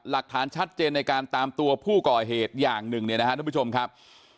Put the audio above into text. หลักฐานชัดเจนในการตามตัวผู้ก่อเหตุอย่างหนึ่งเนี่ยนะครับทุกผู้ชมครับ